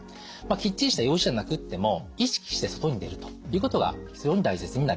きっちりした用事じゃなくっても意識して外に出るということが非常に大切になります。